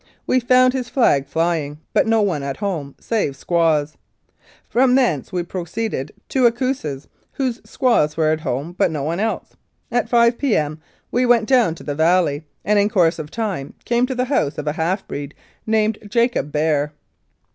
We found his flag flying, but no one at home save squaws. From thence we pro ceeded to Acouse's, whose squaws were at home but no one else. At 5 P.M. we went down to the valley, and in course of time came to the house of a half breed named Jacob Bear.